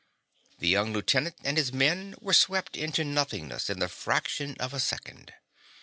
The young lieutenant and his men were swept into nothingness in the fraction of a second.